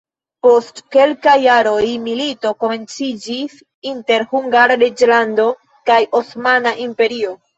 Post kelkaj jaroj milito komenciĝis inter Hungara reĝlando kaj Osmana Imperio.